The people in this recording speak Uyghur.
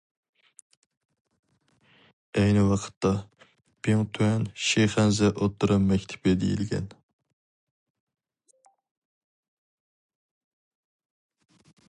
ئەينى ۋاقىتتا، بىڭتۈەن شىخەنزە ئوتتۇرا مەكتىپى دېيىلگەن.